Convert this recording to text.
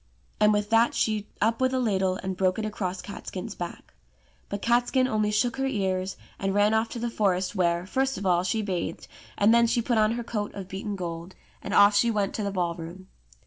And with that she up with a ladle and broke it across Catskin's back. But Catskin only shook her ears, and ran off to the forest, where, first of all, she bathed, and then she put on her coat of beaten gold, and off she went to the ball room.